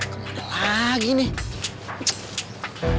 kemana lagi nih